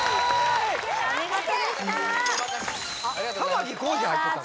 お見事でしたさあ